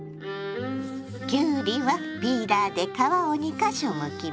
きゅうりはピーラーで皮を２か所むきます。